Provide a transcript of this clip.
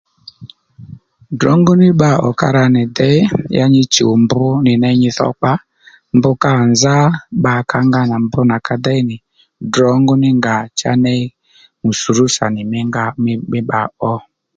Drǒngó ní bba ò ka ra nì dey ya nyi chùw mb nì ney nyi dhokpǎ mb kǎ nzá bbakǎ nga nà mb nà ka déy nì drǒngó ní ngà cha ney mùsùrúsà nì mí nga mí bba ó